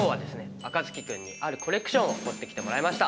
あかつき君にあるコレクションを持ってきてもらいました！